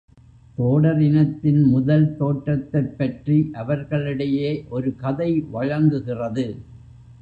தோடர் இனத்தின் முதல் தோற்றத்தைப்பற்றி அவர்களிடையே ஒரு கதை வழங்குகிறது.